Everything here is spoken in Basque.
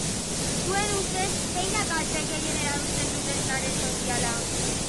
Zuen ustez, zein da gazteeek gehien erabiltzen dutens are soziala?